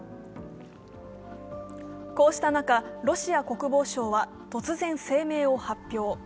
こうした中、ロシア国防省は突然、声明を発表。